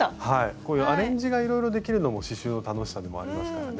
こういうアレンジがいろいろできるのも刺しゅうの楽しさでもありますからね。